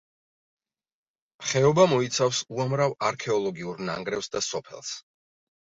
ხეობა მოიცავს უამრავ არქეოლოგიურ ნანგრევს და სოფელს.